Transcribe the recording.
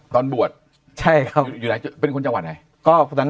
ตอนบวชใช่ครับเป็นคนจังหวัดไหน